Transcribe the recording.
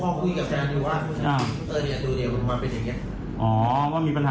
หาว่ามันมีปัญหา